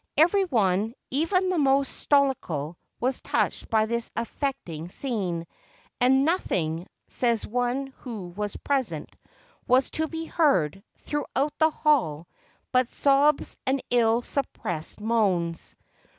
Every one, even the most stoical, was touched by this affecting scene; "and nothing," says one who was present, "was to be heard, throughout the hall, but sobs and ill sup pressed moans."